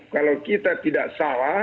kalau kita tidak salah